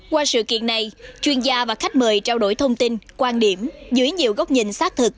qua sự kiện này chuyên gia và khách mời trao đổi thông tin quan điểm dưới nhiều góc nhìn xác thực